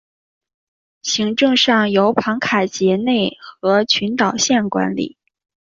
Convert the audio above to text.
行政上由庞卡杰内和群岛县管理。